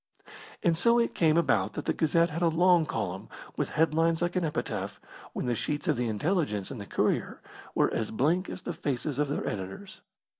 And so it came about that the Gazette had a long column, with headlines like an epitaph, when the sheets of the Intelligence and the Courier were as blank as the faces of their editors.